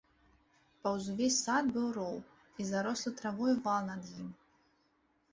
Паўз увесь сад быў роў і зарослы травою вал над ім.